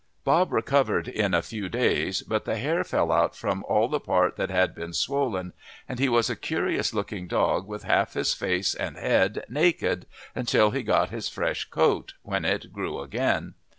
Bob recovered in a few days, but the hair fell out from all the part which had been swollen, and he was a curious looking dog with half his face and head naked until he got his fresh coat, when it grew again.